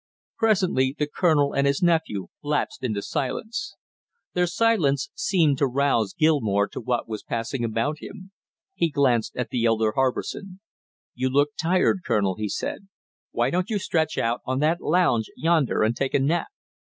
Presently the colonel and his nephew lapsed into silence. Their silence seemed to rouse Gilmore to what was passing about him. He glanced at the elder Harbison. "You look tired, Colonel," he said. "Why don't you stretch out on that lounge yonder and take a nap?"